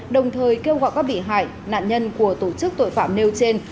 đồng thời kêu gọi các bị hại nạn nhân của tổ chức tội phạm nêu trên